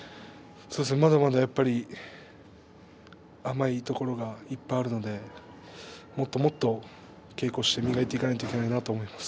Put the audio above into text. まだまだ、やっぱり甘いところがいっぱいあるのでもっともっと稽古をして磨いていかないといけないなと思います。